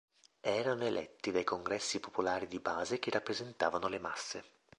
Erano eletti dai congressi popolari di base che rappresentavano le "masse".